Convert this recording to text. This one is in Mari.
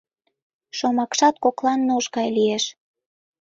Шомакшат коклан нуж гай лиеш.